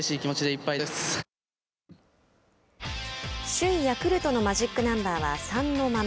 首位ヤクルトのマジックナンバーは３のまま。